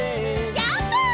ジャンプ！